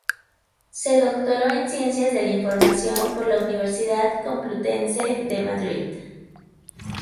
Se doctoró en Ciencias de la Información por la Universidad Complutense de Madrid.